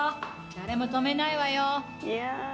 誰も止めないわよ」